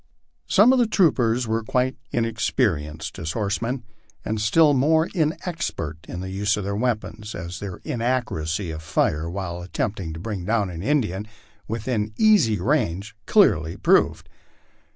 Some of the tro' ^ers were quite inexperienced as horsemen, and still more inexpert i>>iile use of their weapons, as their inaccuracy of fire when at temptin^ kTbring down an Indian within easy range clearly proved.